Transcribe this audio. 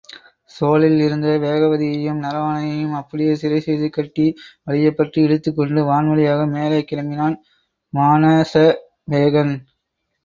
சோலையில் இருந்த வேகவதியையும் நரவாணனையும் அப்படியே சிறைசெய்து கட்டி வலியப் பற்றி இழுத்துக்கொண்டு வான்வழியாக மேலே கிளம்பினான் மானசவேகன்.